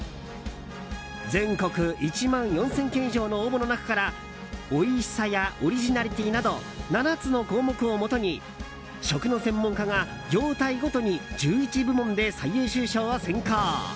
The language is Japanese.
全国１万４０００件以上の応募の中からおいしさやオリジナリティーなど７つの項目をもとに食の専門家が業態ごとに１１部門で最優秀賞を選考。